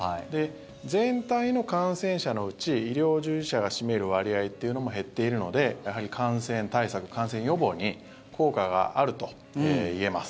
全体の感染者のうち医療従事者が占める割合というのも減っているのでやはり感染対策、感染予防に効果があるといえます。